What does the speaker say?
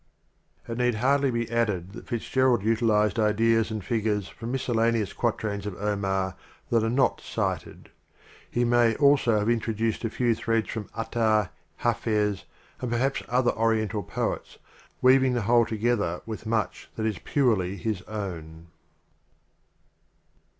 It need hardly be added that FitzGer aid utilized ideas and figures from miscel 47 The Literal laneous quatrains of Omar that are not cited; he may also have introduced a few threads from Attar, Hdfiz and perhaps other Oriental poets, weaving the whole together with much that is purely his own.